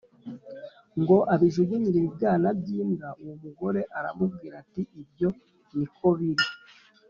Ngo abijugunyire ibibwana by imbwa uwo mugore aramubwira ati ibyo ni ko biri